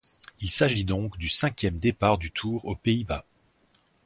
Il s'agit donc du cinquième départ du Tour aux Pays-Bas.